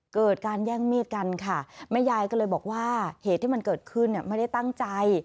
เกิดการแย่งมีดกันค่ะแม่ยายก็เลยบอกว่าเหตุที่มันเกิดขึ้นเนี่ยไม่ได้ตั้งใจ